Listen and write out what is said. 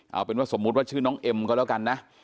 เอาเป็นว่าสมมุติว่าชื่อน้องเอ็มก็แล้วกันนะ